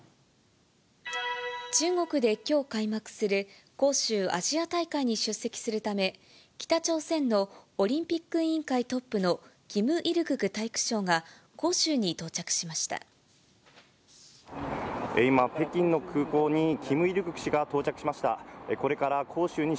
中国できょう開幕する杭州アジア大会に出席するため、北朝鮮のオリンピック委員会トップのキム・イルグク体育相が杭州今、北京の空港にキム・イルグク氏が到着しました。